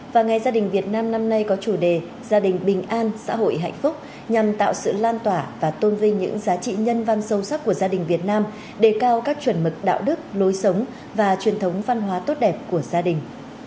và ngày gia đình việt nam năm nay có chủ đề gia đình bình an xã hội hạnh phúc nhằm tạo sự lan tỏa và tôn vinh những giá trị nhân văn sâu sắc của gia đình việt nam đề cao các chuẩn mực đạo đức lối sống và truyền thống văn hóa tốt đẹp của gia đình